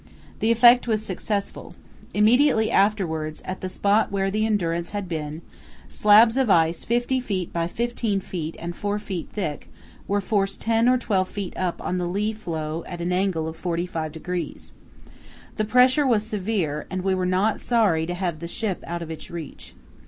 The effort was successful. Immediately afterwards, at the spot where the Endurance had been held, slabs of ice 50 ft. by 15 ft. and 4 ft. thick were forced ten or twelve feet up on the lee floe at an angle of 45°. The pressure was severe, and we were not sorry to have the ship out of its reach.